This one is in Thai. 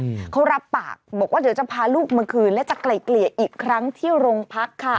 อืมเขารับปากบอกว่าเดี๋ยวจะพาลูกมาคืนและจะไกลเกลี่ยอีกครั้งที่โรงพักค่ะ